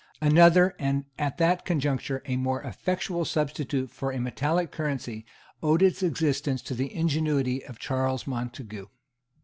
Another, and, at that conjuncture, a more effectual substitute for a metallic currency, owed its existence to the ingenuity of Charles Montague.